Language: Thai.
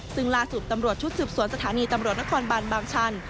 ซึ่งล่าสุดตำรวจชุดสืบสวนสถานีตำรวจนครบานบางชัน